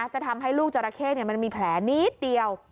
จะทำให้ลูกจราเข้มันมีแผลนิดเดียว